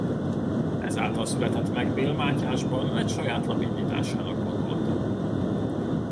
Ezáltal született meg Bél Mátyásban egy saját lap indításának gondolata.